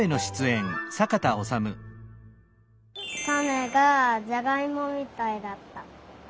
たねがじゃがいもみたいだった。